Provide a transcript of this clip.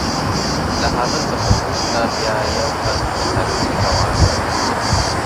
له هغه څخه وروسته بیا یو تن په ترتیب روان و.